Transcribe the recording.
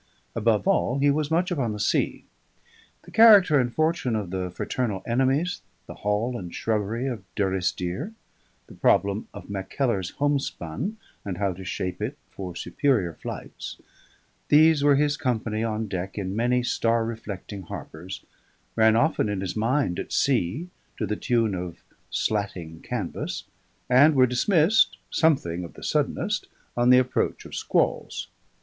Above all, he was much upon the sea. The character and fortune of the fraternal enemies, the hall and shrubbery of Durrisdeer, the problem of Mackellar's homespun and how to shape it for superior flights; these were his company on deck in many star reflecting harbours, ran often in his mind at sea to the tune of slatting canvas, and were dismissed (something of the suddenest) on the approach of squalls.